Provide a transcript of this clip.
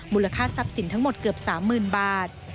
ทรัพย์สินทั้งหมดเกือบ๓๐๐๐บาท